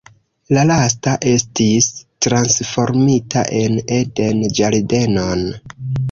La lasta estis transformita en eden-ĝardenon.